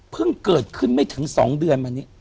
เพิ่งเกิดขึ้นไม่ถึงสองเดือนมานี้